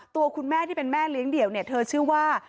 ตัวคุณแม่ที่เป็นแม่เลี้ยงเดี่ยวเนี่ยเธอเชื่อว่า